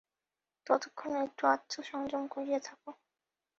ততক্ষণ একটু আত্মসংযম করিয়া থাক!